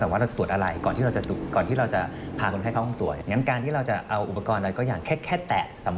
พี่หนูน้ำเตรียม